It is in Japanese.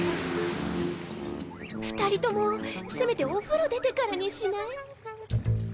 ２人ともせめてお風呂出てからにしない？